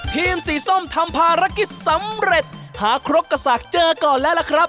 ทีมสีส้มทำภารกิจสำเร็จหาโครกกันในการหาโครกนะครับ